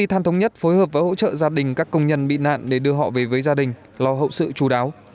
hỗ trợ gia đình các công nhân bị nạn để đưa họ về với gia đình lo hậu sự chú đáo